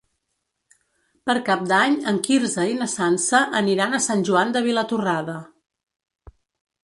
Per Cap d'Any en Quirze i na Sança aniran a Sant Joan de Vilatorrada.